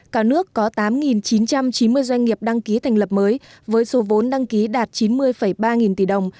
cả nước có tám chín trăm chín mươi doanh nghiệp đăng ký thành lập mới với số vốn đăng ký đạt chín mươi ba nghìn tỷ đồng